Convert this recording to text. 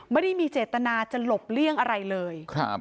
ไม่ได้มีเจตนาจะหลบเลี่ยงอะไรเลย